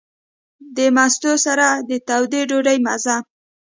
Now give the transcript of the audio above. د مستو سره د تودې ډوډۍ مزه.